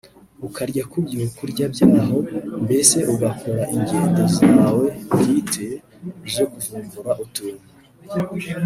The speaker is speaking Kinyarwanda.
ukarya ku byo kurya by’aho mbese ugakora ingendo zawe bwite zo kuvumbura utuntu